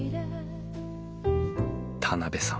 田邊さん